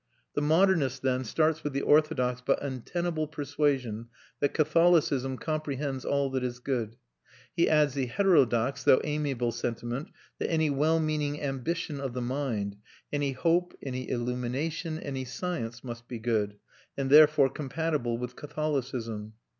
The modernist, then, starts with the orthodox but untenable persuasion that Catholicism comprehends all that is good; he adds the heterodox though amiable sentiment that any well meaning ambition of the mind, any hope, any illumination, any science, must be good, and therefore compatible with Catholicism.